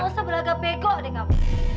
nggak usah berlagak bego deh kamu